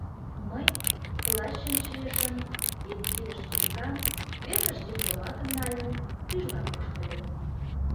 Мый плащым чийышым, ик кидыш сумкам, весыш дипломатым нальым, тӱжвак ошкыльым.